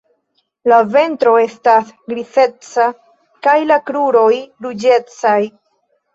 La ventro estas grizeca kaj la kruroj ruĝecaj.